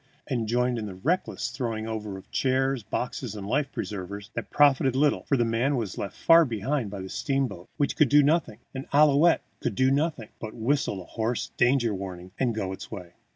and joined in a reckless throwing over of chairs, boxes, and life preservers that profited little, for the man was left far behind by the steamboat, which could do nothing and Ouillette could do nothing but whistle a hoarse danger warning and go its way.